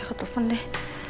aku telfon deh